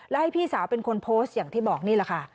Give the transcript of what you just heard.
และให้พี่สาวเป็นคนโพสต์อย่างที่บอกนี่แหละค่ะ